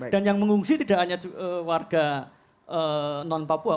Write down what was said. dan yang mengungsi tidak hanya warga non papua